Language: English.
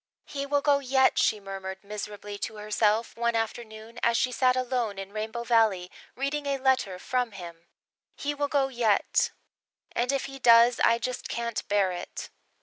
"He will go yet," she murmured miserably to herself one afternoon, as she sat alone in Rainbow Valley, reading a letter from him, "he will go yet and if he does I just can't bear it."